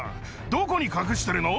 どこに隠してるの？